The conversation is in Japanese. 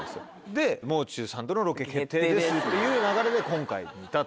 で「もう中さんとのロケ決定です」っていう流れで今回に至ったと。